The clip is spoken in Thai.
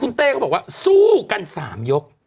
คุณเต้ก็บอกว่าสู้กัน๓ยก